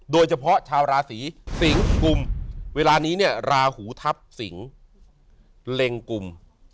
โดยเฉพาะชาวราศีสิงกุมเวลานี้เนี่ยราหูทัพสิงเล็งกุม